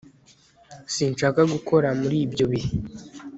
Sinshaka gukora muri ibyo bihe